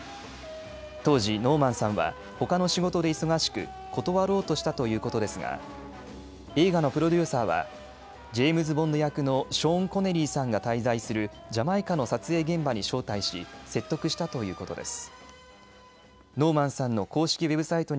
当時、ノーマンさんはほかの仕事で忙しく断ろうとしたということですが映画のプロデューサーはジェームズ・ボンド役のショーン・コネリーさんが滞在するジャマイカの撮影現場に招待し説得したということです。